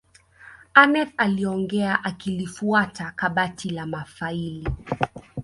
aneth aliongea akilifuata kabati la mafaili